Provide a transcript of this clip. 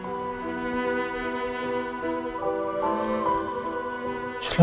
berikanlah kesembuhan untuk istriku ya allah